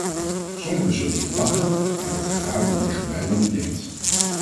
Sommigen zullen hier lachen, maar dat gevaar komt dichterbij dan u denkt.